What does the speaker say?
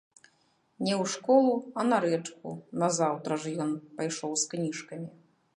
Не ў школу, а на рэчку назаўтра ж ён пайшоў з кніжкамі.